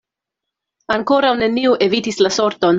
Ankoraŭ neniu evitis la sorton.